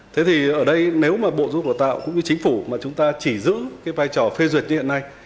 thế thì ở đây nếu mà bộ giáo dục và tạo cũng như chính phủ mà chúng ta chỉ giữ cái vai trò phê duyệt như hiện nay